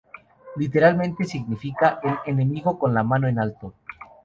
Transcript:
Literalmente significa "El enemigo con la mano en alto".